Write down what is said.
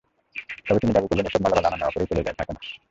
তবে তিনি দাবি করলেন, এসব মালামাল আনা-নেওয়া করেই চলে যায়, থাকে না।